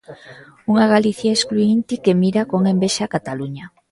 Unha Galicia excluínte que mira con envexa a Cataluña.